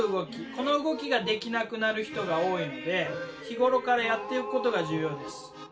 この動きができなくなる人が多いので日頃からやっておくことが重要です。